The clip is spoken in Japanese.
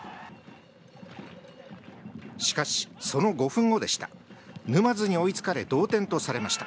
しかし、その５分後でした。